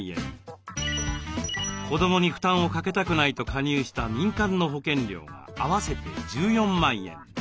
子どもに負担をかけたくないと加入した民間の保険料が合わせて１４万円。